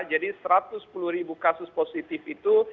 jadi satu ratus sepuluh kasus positif itu